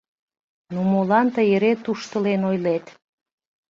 — Но молан тый эре туштылен ойлет?